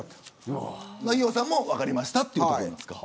伊代さんも分かりましたってことで。